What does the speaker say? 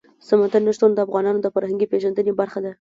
سمندر نه شتون د افغانانو د فرهنګي پیژندنې برخه ده.